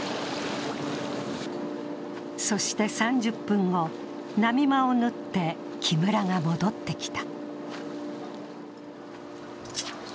そして３０分後、波間を縫って木村が戻ってきた。